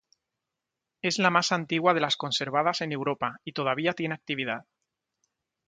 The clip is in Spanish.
Es la más antigua de las conservadas en Europa, y todavía tiene actividad.